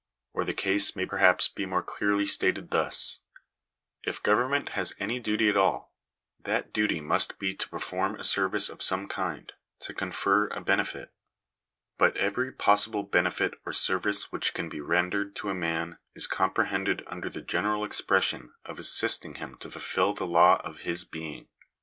Or the case may perhaps be more clearly stated thus :— If government has any duty at all, that duty must be to perform a service of some kind — to confer a benefit. But every possi Digitized by VjOOQIC 252 THE DUTY OF THE STATE. ble benefit or service which can be rendered to a man is com prehended under the general expression of assisting him to fulfil the law of his being.